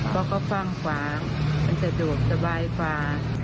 เพราะเขาฟ่างฝามันสะดวกสบายกว่า